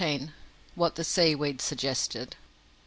WHAT THE SEAWEED SUGGESTED.